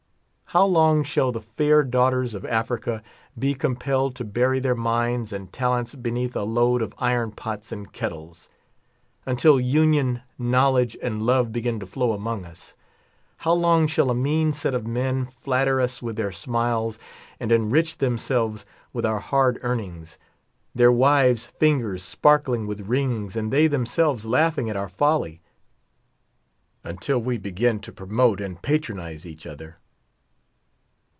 32 How long shall the fair daughters of Africa be com pelled to bury their minds and talents beneath a load of iron pots and kettles? Until union, knowledge, and love begin to flow among us. How long shall a mean set of men flatter us with their smiles, and enrich themselves with our hard earnings ; their wives' fingers sparkling with rings, and they themselves laughing at our folly? Until we begin to promote and patronize each other.